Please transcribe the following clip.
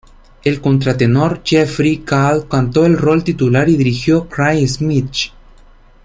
El contratenor Jeffrey Gall cantó el rol titular y dirigió Craig Smith.